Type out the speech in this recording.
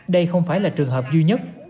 đây không phải là trường hợp duy nhất